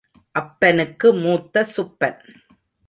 அப்பனுக்கு மூத்த சுப்பன்.